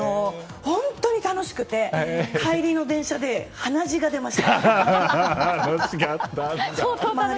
本当に楽しくて帰りの電車で鼻血が出ました。